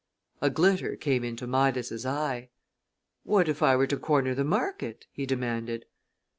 A glitter came into Midas's eye. "What if I were to corner the market?" he demanded.